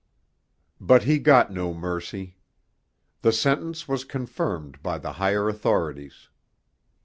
II But he got no mercy. The sentence was confirmed by the higher authorities.